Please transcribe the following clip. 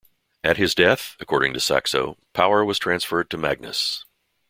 "At his death", according to Saxo, "power was transferred to Magnus".